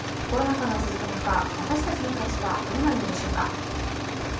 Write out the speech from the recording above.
コロナ禍が続く中、私たちの暮らしはどうなるのでしょうか。